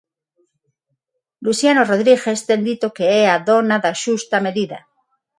Luciano Rodríguez ten dito que é "a dona da xusta medida".